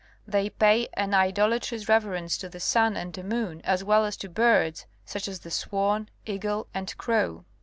They pay an idolatrous reverence to the sun and moon as well as to birds, such as the swan, eagle and crow.